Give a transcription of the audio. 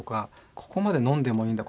ここまで飲んでもいいんだ